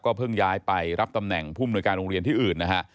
เพิ่งย้ายไปรับตำแหน่งผู้มนุยการโรงเรียนที่อื่นนะฮะ